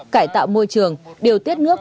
cải tạo môi trường điều tiết nước